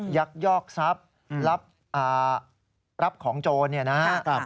ยักยอกทรัพย์รับของโจรเนี่ยนะครับ